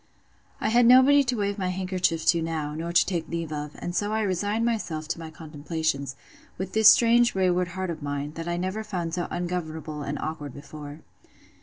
I had nobody to wave my handkerchief to now, nor to take leave of; and so I resigned myself to my contemplations, with this strange wayward heart of mine, that I never found so ungovernable and awkward before.